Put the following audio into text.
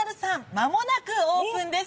間もなくオープンです。